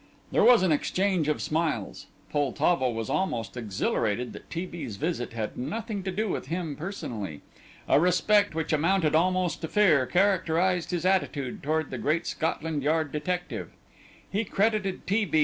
There was an exchange of smiles. Poltavo was almost exhilarated that T. B.'s visit had nothing to do with him personally. A respect, which amounted almost to fear, characterized his attitude toward the great Scotland Yard detective. He credited T. B.